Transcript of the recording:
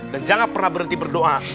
dan jangan pernah berhenti berdoa